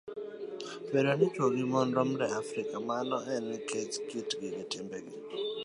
Bedo ni chwo gi mon romre e Afrika, mano en nikech kitgi gi timbegi